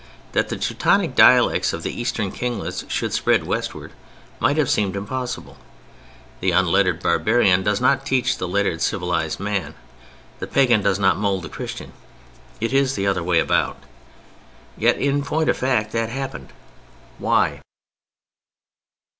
That the Teutonic dialects of the eastern kinglets should spread westward might have seemed impossible. The unlettered barbarian does not teach the lettered civilized man; the pagan does not mold the Christian. It is the other way about. Yet in point of fact that happened. Why?